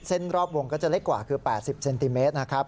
รอบวงก็จะเล็กกว่าคือ๘๐เซนติเมตรนะครับ